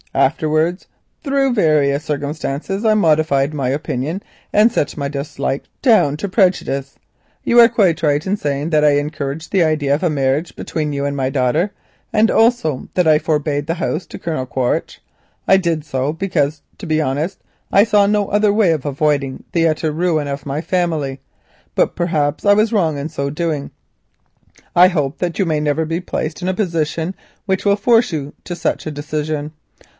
Afterwards, through various circumstances, I modified my opinion and set my dislike down to prejudice. You are quite right in saying that I encouraged the idea of a marriage between you and my daughter, also that I forbade the house to Colonel Quaritch. I did so because, to be honest, I saw no other way of avoiding the utter ruin of my family; but perhaps I was wrong in so doing. I hope that you may never be placed in a position which will force you to such a decision.